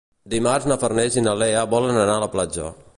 Dimarts na Farners i na Lea volen anar a la platja.